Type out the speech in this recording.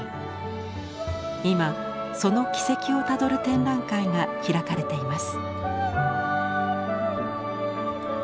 今その軌跡をたどる展覧会が開かれています。